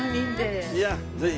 いやぜひ。